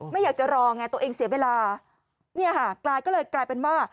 ไม่อยากจะรอไงตัวเองเสียเวลาเนี่ยค่ะกลายก็เลยกลายเป็นว่า